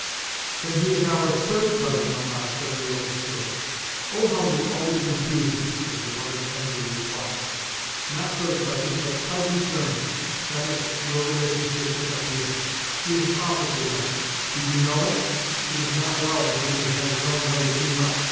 "Then he is our THIRD cousin, Mamma," said the eldest girl. "Oh, how you always confuse me!" was her mother's angry reply. "Not third cousin, but COUSIN GERMAN that is your relationship to Etienne. He is an officer now. Did you know it? It is not well that he should have his own way too much.